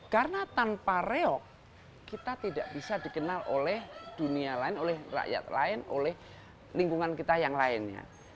karena tanpa reog kita tidak bisa dikenal oleh dunia lain oleh rakyat lain oleh lingkungan kita yang lainnya